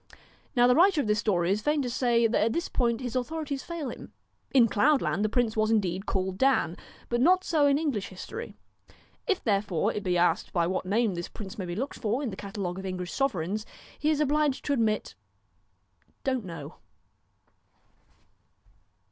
Now the writer of this story is fain to say that at this point his authorities fail him. In Cloudland the prince was indeed called Dan, but not so in English history. If therefore it be asked by what name this prince may be looked for in the cata e of English sovereigns, he is obliged to admit on't know.'